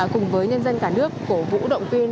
cùng với nhân dân cả nước cổ vũ động viên